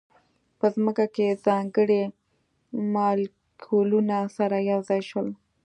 په ځمکه کې ځانګړي مالیکولونه سره یو ځای شول.